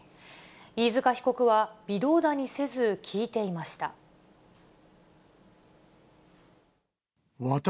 飯塚被告は微動だにせず、聞いていました。